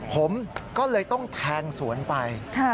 ผมก็เลยต้องแทงสวนไป